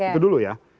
itu dulu ya